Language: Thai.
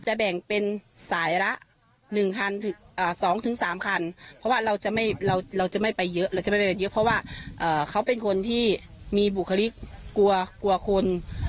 จะแบ่งเป็นสายละ๑คัน๒๓คันเพราะว่าเราจะไม่ไปเยอะเพราะว่าเขาเป็นคนที่มีบุคลิกกลัวคน